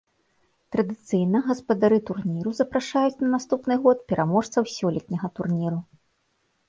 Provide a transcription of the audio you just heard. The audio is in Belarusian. Традыцыйна гаспадары турніру запрашаюць на наступны год пераможцаў сёлетняга турніру.